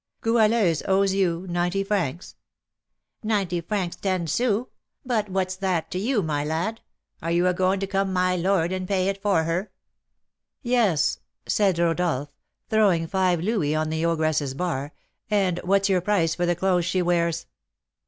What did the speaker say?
"Goualeuse owes you ninety francs?" "Ninety francs ten sous; but what's that to you, my lad? Are you a going to come 'my lord,' and pay it for her?" "Yes," said Rodolph, throwing five louis on the ogress's bar, "and what's your price for the clothes she wears?"